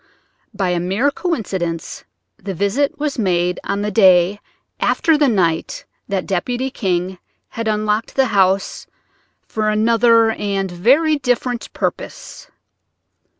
By a mere coincidence, the visit was made on the day after the night that Deputy King had unlocked the house for another and very different purpose.